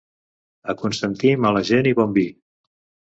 A Constantí, mala gent i bon vi.